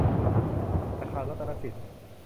ธนาคารรัตนสิน